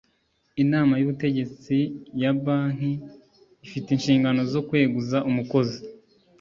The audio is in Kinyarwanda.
inama y ubutegetsi ya banki ifite inshingano zo kweguza umukozi